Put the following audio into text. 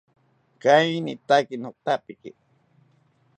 Kainitaki nothapiki